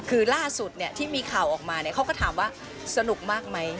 คือล่าสุดที่มีข่าวออกมาเขาก็ถามว่าสนุกมากไหม